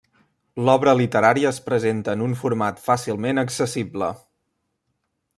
L'obra literària es presenta en un format fàcilment accessible.